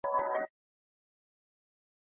تاسو یو بشپړ کائنات یاست.